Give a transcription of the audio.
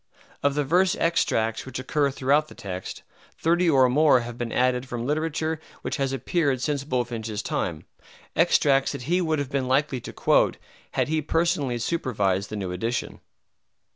Of the verse extracts which occur throughout the text, thirty or more have been added from literature which has appeared since Bulfinch's time, extracts that he would have been likely to quote had he personally supervised the new edition.